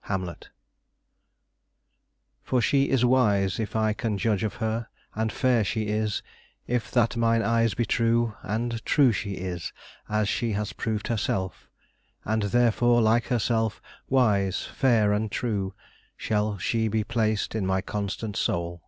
Hamlet "For she is wise, if I can judge of her; And fair she is, if that mine eyes be true; And true she is, as she has proved herself; And therefore like herself, wise, fair, and true, Shall she be placed in my constant soul."